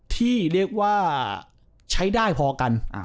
ที่เรียกว่าใช้ได้พอกัน